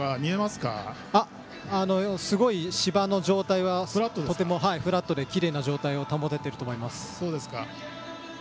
すごい芝の状態はフラットできれいな状態を保てていると思います。